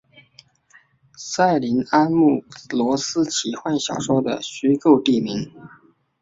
塞林安姆罗斯奇幻小说的虚构地名。